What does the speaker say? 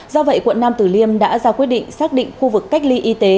do vậy quận nam tử liêm đã ra quyết định xác định khu vực cách ly y tế